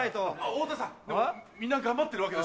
太田さんでもみんな頑張ってるわけですし。